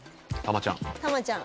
玉ちゃん。